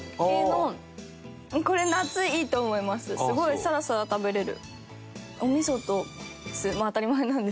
すごいサラサラ食べられる。